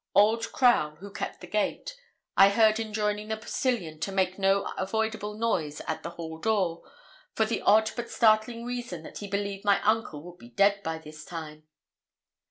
Old Crowl, who kept the gate, I heard enjoining the postilion to make no avoidable noise at the hall door, for the odd but startling reason that he believed my uncle 'would be dead by this time.'